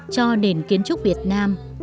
cho nền kiến trúc việt nam